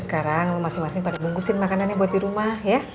sekarang masing masing pada bungkusin makanannya buat di rumah ya